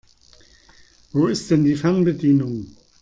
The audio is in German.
Wo ist denn die Fernbedienung?